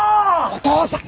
お義父さん！